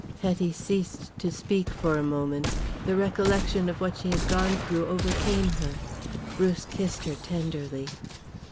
Hetty ceased to speak for a moment. The recollection of what she had gone through overcame her. Bruce kissed her tenderly.